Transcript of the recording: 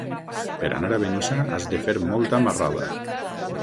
Per anar a Benissa has de fer molta marrada.